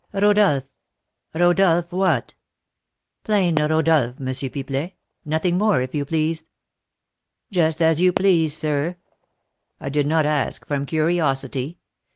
"Rodolph." "Rodolph what?" "Plain Rodolph, M. Pipelet, nothing more, if you please." "Just as you please, sir. I did not ask from curiosity.